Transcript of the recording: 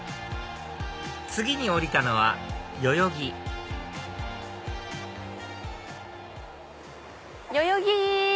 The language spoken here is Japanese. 次に降りたのは代々木代々木！